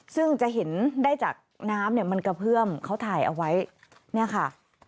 ซึ่งจะเห็นได้จากน้ำเนี่ยมันกระเพื่อมเขาถ่ายเอาไว้เนี่ยค่ะ